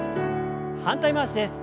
反対回しです。